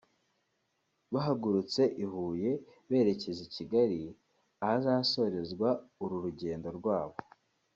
bahagurutse i Huye berekeza i Kigali ahazasorezwa uru rugendo rwabo